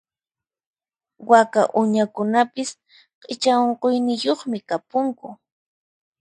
Waka uñakunapis q'icha unquyniyuqmi kapunku.